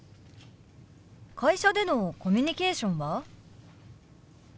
会社でのコミュニケーションは？